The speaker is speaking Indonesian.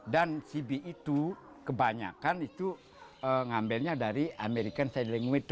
dan cb itu kebanyakan itu mengambilnya dari american sailingway